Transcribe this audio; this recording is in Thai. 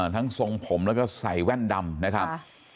ทรงผมแล้วก็ใส่แว่นดำนะครับ